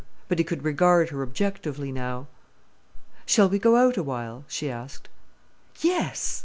But he could regard her objectively now. "Shall we go out awhile?" she asked. "Yes!"